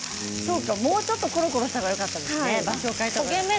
もうちょっとコロコロすればよかったですね